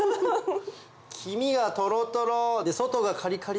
黄身がトロトロで外がカリカリ。